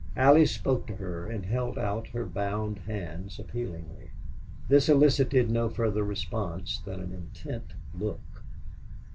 Allie spoke to her and held out her bound hands appealingly. This elicited no further response than an intent look.